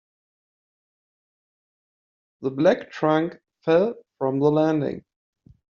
The black trunk fell from the landing.